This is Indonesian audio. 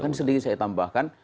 bahkan sedikit saya tambahkan